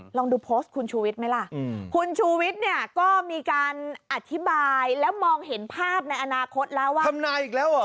ลองดูโพสต์คุณชูวิทย์ไหมล่ะคุณชูวิทย์เนี่ยก็มีการอธิบายแล้วมองเห็นภาพในอนาคตแล้วว่าทำนายอีกแล้วเหรอ